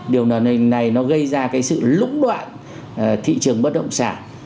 điều này nó gây ra cái sự lũng đoạn thị trường bất động sản